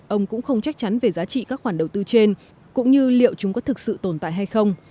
ông cũng không chắc chắn về giá trị các khoản đầu tư trên cũng như liệu chúng có thực sự tồn tại hay không